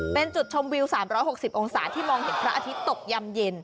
เป็นจุดชมวิว๓๖๐องศาที่มองเห็นพระอาทิตย์ตกยำเย็น